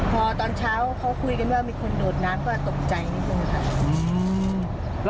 พอตอนเช้าเขาคุยกันว่ามีคนโดดน้ำก็ตกใจนิดนึงค่ะ